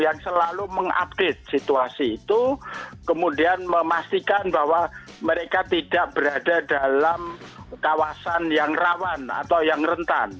yang selalu mengupdate situasi itu kemudian memastikan bahwa mereka tidak berada dalam kawasan yang rawan atau yang rentan